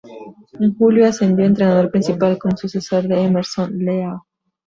En julio, ascendió a entrenador principal como sucesor de Emerson Leão.